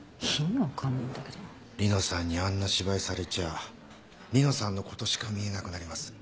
梨乃さんにあんな芝居されちゃ梨乃さんのことしか見えなくなります。